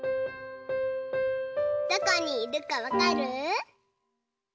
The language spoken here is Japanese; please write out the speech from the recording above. どこにいるかわかる？